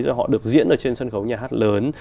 rồi họ được diễn ở trên sân khấu nhà hát lớn